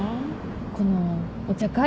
このお茶会？